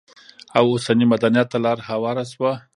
او اوسني مدنيت ته لار هواره شوه؛